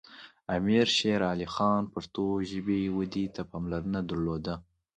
امیر شیر علی خان پښتو ژبې ودې ته پاملرنه درلوده.